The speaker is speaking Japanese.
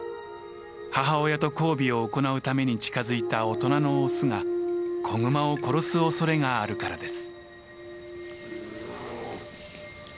母親と交尾を行うために近づいた大人のオスが子グマを殺すおそれがあるからです。